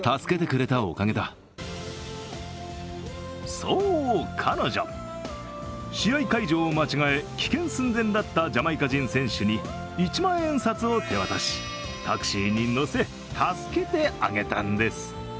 そう、彼女、試合会場を間違え、棄権寸前だったジャマイカ人選手に一万円札を手渡し、タクシーに乗せ助けてあげたんです。